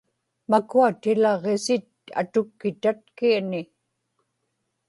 makua tilaġġisit atukki tatkiani